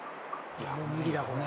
いやもう無理だこれ。